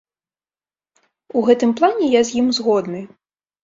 У гэтым плане я з ім згодны.